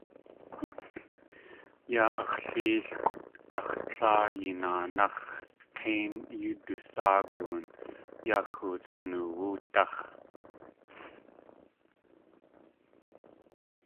Yaa ax̲ léelkʼw ax̲ tláa yinaanáx̲ K̲éin yóo dusáagun yaa Xutsnoowúdáx̲.